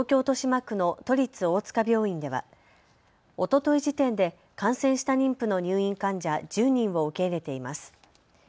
豊島区の都立大塚病院ではおととい時点で感染した妊婦の入院患者１０人を受け入れています。